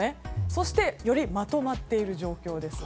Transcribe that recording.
そしてよりまとまっている状況です。